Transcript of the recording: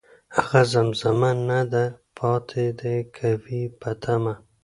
هغه زمزمه نه ده پاتې، ،دی که وي په تمه